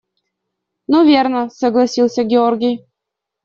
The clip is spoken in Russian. – Ну, верно, – согласился Георгий.